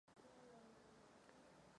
Směřuje rovněž k Radě.